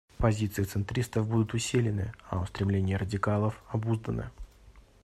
Позиции центристов будут усилены, а устремления радикалов — обузданы.